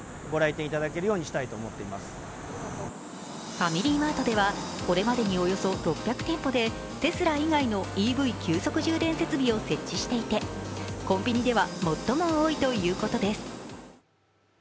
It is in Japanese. ファミリーマートではこれまでにおよそ６００店舗でテスラ以外のＥＶ急速充電設備を設置していて、コンビニでは最も多いということです。